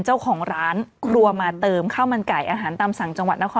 จริง